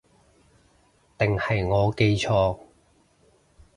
定係我記錯